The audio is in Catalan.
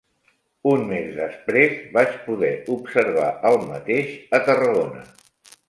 Un mes després vaig poder observar el mateix a Tarragona